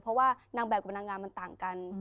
เพราะว่านางแบบกับนางงามมันต่างกัน